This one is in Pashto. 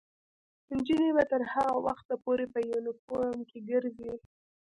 نجونې به تر هغه وخته پورې په یونیفورم کې ګرځي.